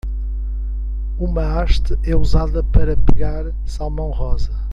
Uma haste é usada para pegar salmão rosa.